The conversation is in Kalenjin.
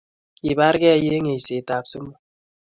Kibarkei eng eisetab sumu